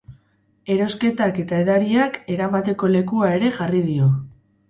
Erosketak eta edariak eramateko lekua ere jarri dio.